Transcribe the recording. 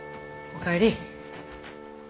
お帰り。